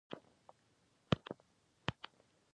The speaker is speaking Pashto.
ژمی د افغان کورنیو د دودونو مهم عنصر دی.